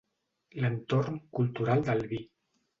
L'entorn cultural del vi.